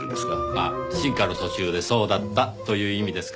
あっ進化の途中でそうだったという意味ですか？